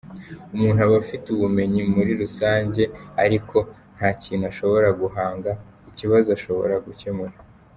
Umuntu aba afite ubumenyi muri rusange ariko nta kintu ashobora guhanga, ikibazo ashobora gukemura.